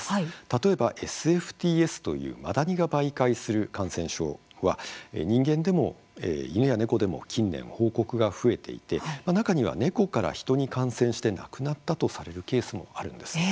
例えば、ＳＦＴＳというマダニが媒介する感染症は人間でも犬や猫でも近年、報告が増えていて中には猫から人に感染して亡くなったとされるケースもあるんです。